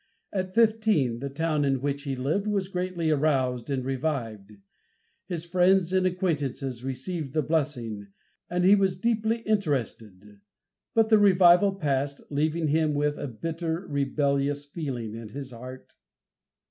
At fifteen the town in which he lived was greatly aroused and revived. His friends and acquaintances received the blessing, and he was deeply interested, but the revival passed, leaving him with a bitter, rebellious feeling in his heart.